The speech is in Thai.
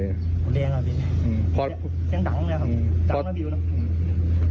เพราะเตรียมดังจริง